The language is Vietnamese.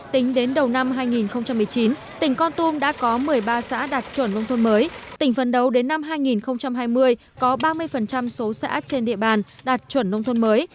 tính đến đầu năm hai nghìn một mươi chín tỉnh con tum đã có một mươi ba xã đạt chuẩn nông thôn mới tỉnh phấn đấu đến năm hai nghìn hai mươi có ba mươi số xã trên địa bàn đạt chuẩn nông thôn mới